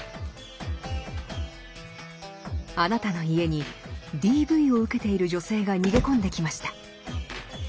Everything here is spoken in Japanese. あなたの家にＤＶを受けている女性が逃げ込んできました。